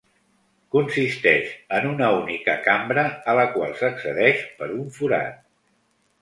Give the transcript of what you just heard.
Consisteix en una única cambra a la qual s'accedeix per un forat.